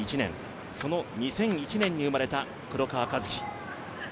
その２００１年に生まれた黒川和樹。